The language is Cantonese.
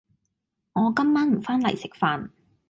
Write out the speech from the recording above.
我今晚唔返黎食飯.